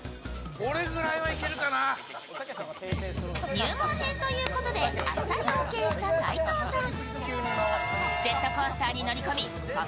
入門編ということで、あっさりオーケーした斉藤さん。